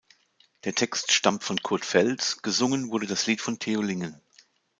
Der Text stammt von Kurt Feltz, gesungen wurde das Lied von Theo Lingen.